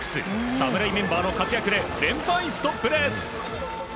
侍メンバーの活躍で連敗ストップです。